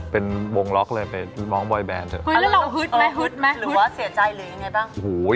เป็นวงล็อกเลยไปร้องบอยแบนด์เถอะ